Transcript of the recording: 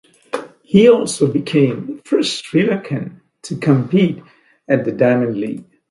He also became the first Sri Lankan to compete at the Diamond League.